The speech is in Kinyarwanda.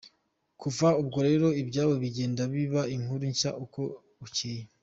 Kuva ubwo rero ibyabo bigenda biba inkuru nshya uko bucyeye.